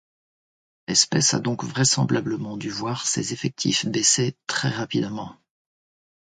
L'espèce a donc vraisemblablement dû voir ses effectifs baisser très rapidement.